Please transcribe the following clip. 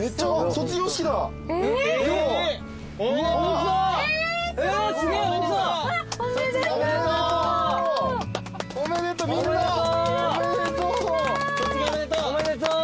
卒業おめでとう。